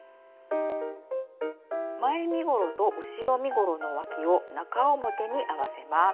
前身ごろと後ろ身ごろのわきを中表に合わせます。